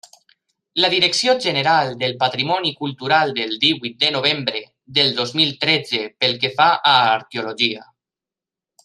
La Direcció General del Patrimoni Cultural del divuit de novembre de dos mil tretze pel que fa a arqueologia.